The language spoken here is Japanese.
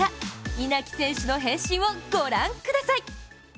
稲木選手の変身をご覧ください。